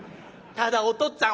ただお父っつぁん」。